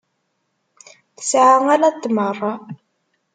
Tesɛa ala tmeṛ.